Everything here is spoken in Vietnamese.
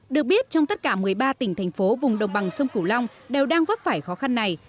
được biết trong tất cả một mươi ba tỉnh thành phố vùng đồng bằng sông cửu long đều đang vấp phải khó khăn này